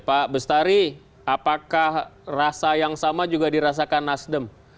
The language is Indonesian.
pak bestari apakah rasa yang sama juga dirasakan nasdem